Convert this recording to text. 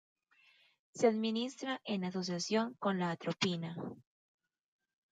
Se administra en asociación con la atropina.